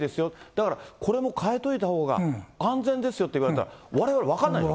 だから、これも替えといた方が安全ですよって言われたらわれわれ分からない。